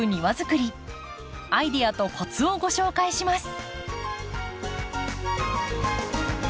アイデアとコツをご紹介します。